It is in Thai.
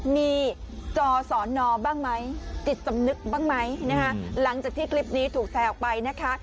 มีจอสอนอบ้างไหมจิตสำนึกบ้างไหมนะคะหลังจากที่คลิปนี้ถูกแชร์ออกไปนะคะ